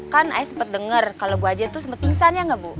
kan ayo sempet denger kalau bu haja itu sempet pingsan ya ngga bu